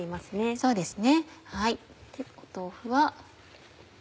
そうですね。